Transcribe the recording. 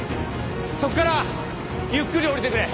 そっからゆっくり降りてくれ。